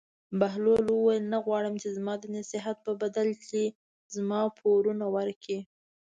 بهلول وویل: نه غواړم چې زما د نصیحت په بدله کې زما پورونه ورکړې.